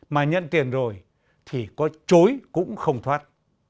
mà nhận tiền rồi thì có chối cũng không thoát